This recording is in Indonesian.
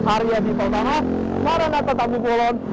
arya di tautanah maranata tampung bolong